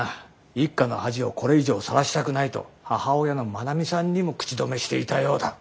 一家の恥をこれ以上さらしたくないと母親の真奈美さんにも口止めしていたようだ。